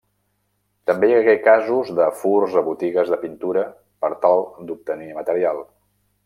També hi hagué casos de furts a botigues de pintura per tal d'obtenir material.